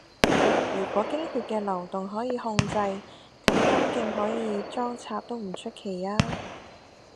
如果經血嘅流動可以控制，噉陰莖可以裝拆都唔出奇吖